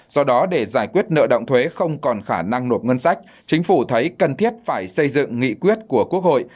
do đó để giải quyết nợ động thuế không còn khả năng nộp ngân sách chính phủ thấy cần thiết phải xây dựng nghị quyết của quốc hội